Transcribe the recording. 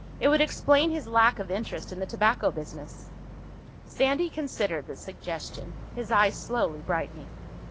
It would explain his lack of interest in the tobacco business." Sandy considered the suggestion, his eyes slowly brightening.